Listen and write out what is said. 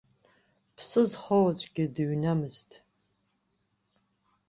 Ԥсы зхоу аӡәгьы дыҩнамызт.